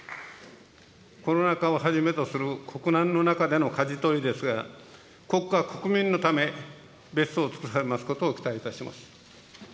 コロナ禍をはじめとする国難の中でのかじ取りですが、国家国民のため、ベストを尽くされますことを期待いたします。